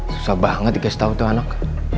susah banget dikasih tahu tuh anak